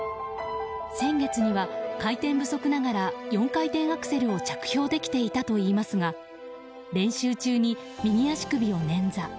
先月には回転不足ながら４回転アクセルを着氷できていたといいますが練習中に右足首をねんざ。